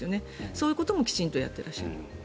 そういうこともきちんとやっていらっしゃる。